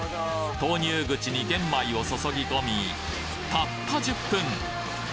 投入口に玄米を注ぎ込みたった１０分！